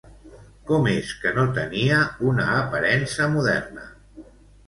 Com és que no tenia una aparença moderna?